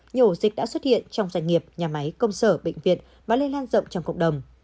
nhiều ổ dịch đã xuất hiện trong doanh nghiệp nhà máy công sở bệnh viện và lây lan rộng trong cộng đồng